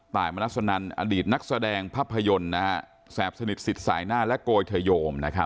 ตายมนักศนัลอดีตนักแสดงภาพยนตร์นะฮะแสบสนิทสิทธิ์สายหน้าและโกยเถยมนะครับ